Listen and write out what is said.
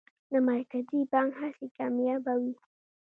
د مرکزي بانک هڅې کامیابه وې؟